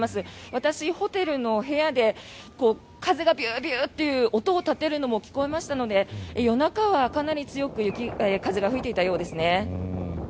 私、ホテルの部屋で風がビュービューという音を立てるのも聞こえましたので夜中はかなり強く風が吹いていたようですね。